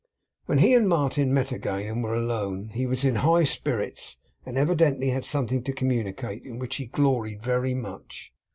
When he and Martin met again, and were alone, he was in high spirits, and evidently had something to communicate, in which he gloried very much.